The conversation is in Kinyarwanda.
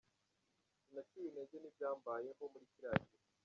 Sinaciwe intege n’ibyambayeho muri kiriya gihe.